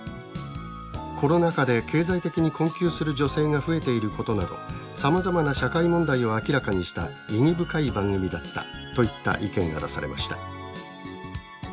コロナ禍で経済的に困窮する女性が増えていることなどさまざまな社会問題を明らかにした意義深い番組だった」といった意見が出されました。